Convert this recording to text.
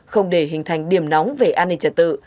không để hình thành điểm nóng về an ninh trật tự